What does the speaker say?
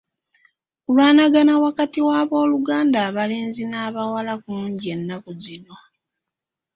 Okulwanagana wakati w'abooluganda abalenzi n'abawala kungi ennaku zino.